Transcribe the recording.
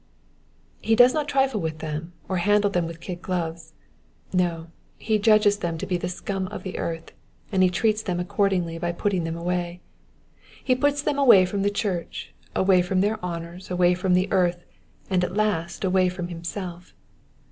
^'' He does not trifle with them, or handle them with kid gloves. No, he judges them to be the scum of the earth, and he treats them accordingly by putting them away. He puts them away from his church, away from their honours, away from the earth, and at last away from himself.